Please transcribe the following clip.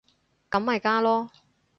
咁咪加囉